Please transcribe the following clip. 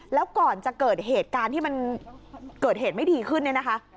แล้วก่อนจะเกิดเหตุการณ์ที่มันเกิดเหตุไม่ดีขึ้นเนี่ยนะคะ